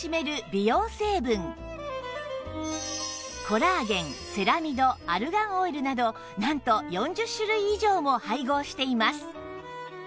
コラーゲンセラミドアルガンオイルなどなんと４０種類以上も配合しています